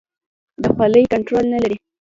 د خولې کنټرول نه لري.